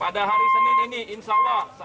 pada hari senin ini insya allah